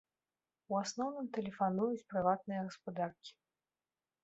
У асноўным тэлефануюць прыватныя гаспадаркі.